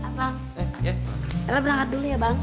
karena berangkat dulu ya bang